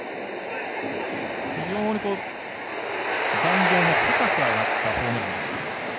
非常に弾道の高く上がったホームランでした。